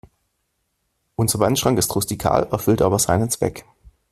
Unser Wandschrank ist rustikal, erfüllt aber seinen Zweck.